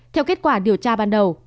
theo kết quả điều tra ban đầu